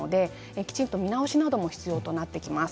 きちんと見直しも必要になってきます。